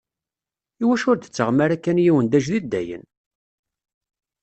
Iwacu ur d-tettaɣem ara kan yiwen d ajdid, dayen?